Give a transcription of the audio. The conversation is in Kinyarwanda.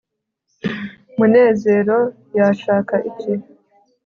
munezero yashaka iki